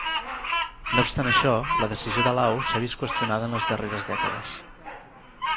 No obstant això, la decisió de Lau s'ha vist qüestionada en les darreres dècades.